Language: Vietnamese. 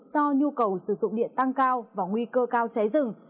do nhu cầu sử dụng điện tăng cao và nguy cơ cao cháy rừng